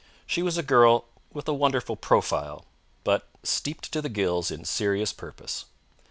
She was a girl with a wonderful profile, but steeped to the gills in serious purpose.